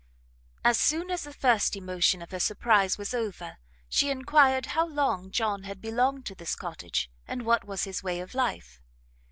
As soon as the first emotion of her surprise was over, she enquired how long John had belonged to this cottage, and what was his way of life.